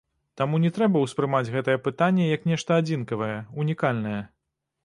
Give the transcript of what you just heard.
Таму не трэба ўспрымаць гэтае апытанне, як нешта адзінкавае, унікальнае.